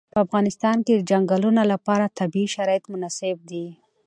په افغانستان کې د چنګلونه لپاره طبیعي شرایط مناسب دي.